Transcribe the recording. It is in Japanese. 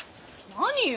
何よ？